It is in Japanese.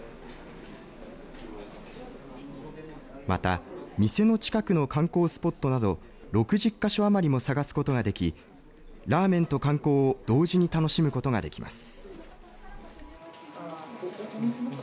また店の近くの観光スポットなど６０か所余りも探すことができラーメンと観光を同時に楽しむことができます。